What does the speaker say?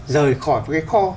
rời khỏi một cái kho